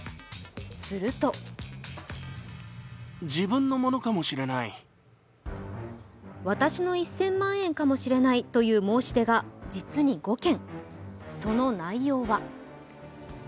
すると私の１０００万円かもしれないという申し出が実に５件。